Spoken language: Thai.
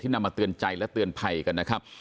นำมาเตือนใจและเตือนภัยกันนะครับ